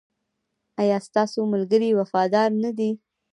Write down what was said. ایا ستاسو ملګري وفادار نه دي؟